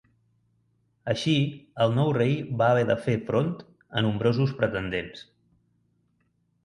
Així, el nou rei va haver de fer front a nombrosos pretendents.